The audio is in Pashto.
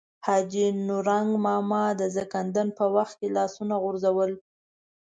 حاجي نورنګ ماما د ځنکدن په وخت کې لاسونه غورځول.